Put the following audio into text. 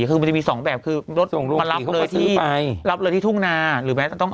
คือตอนนี้ถ้าเขาต้องการประหยัดเองเขาคิดจะต้องสีเอง